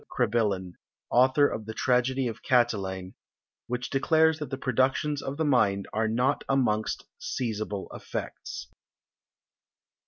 Crebillon, author of the tragedy of Catiline, which declares that the productions of the mind are not amongst seizable effects."